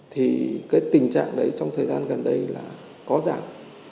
thì cái tình trạng đấy trong thời gian gần đây là có giảm